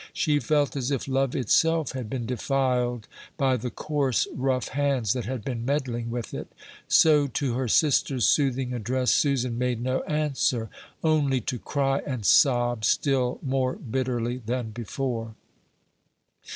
She felt as if love itself had been defiled by the coarse, rough hands that had been meddling with it; so to her sister's soothing address Susan made no answer, only to cry and sob still more bitterly than before.